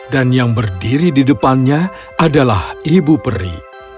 yang berdiri di depannya adalah ibu peri